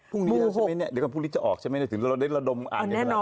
พรุ่งนี้แล้วใช่ไหมเนี่ยเดี๋ยวกับพรุ่งนี้จะออกใช่ไหมถึงเราได้ระดมอ่านในขณะ